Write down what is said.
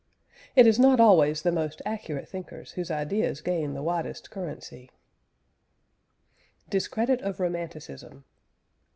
It is not always the most accurate thinkers whose ideas gain the widest currency. DISCREDIT OF ROMANTICISM.